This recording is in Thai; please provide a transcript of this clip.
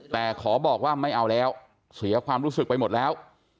แต่ขอบอกว่าไม่เอาแล้วเสียความรู้สึกไปหมดแล้ว